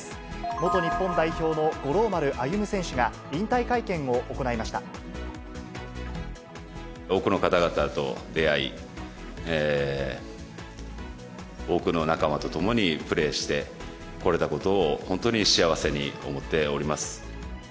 元日本代表の五郎丸歩選手が、多くの方々と出会い、多くの仲間と共にプレーしてこれたことを、本当に幸せに思っております。